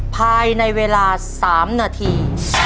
ภายในเวลา๓นาที